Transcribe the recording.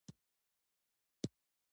ځکه چې د دوی ترمنځ زړه بدي نشته.